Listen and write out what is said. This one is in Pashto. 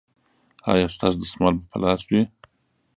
ایا ستاسو دستمال به په لاس وي؟